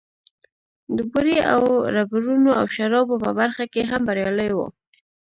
د بورې او ربړونو او شرابو په برخه کې هم بريالی و.